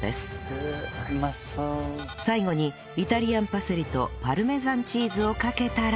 最後にイタリアンパセリとパルメザンチーズをかけたら